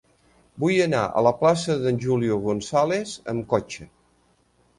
Vull anar a la plaça de Julio González amb cotxe.